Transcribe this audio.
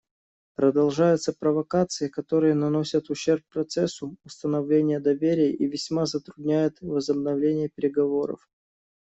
Продолжаются провокации, которые наносят ущерб процессу установления доверия и весьма затрудняют возобновление переговоров.